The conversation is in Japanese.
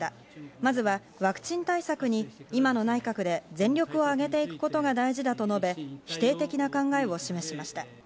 まずはワクチン対策に今の内閣で全力を挙げていくことが大事だと述べ、否定的な考えを示しました。